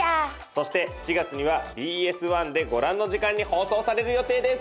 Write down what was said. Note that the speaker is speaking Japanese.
そして４月にはＢＳ１でご覧の時間に放送される予定です。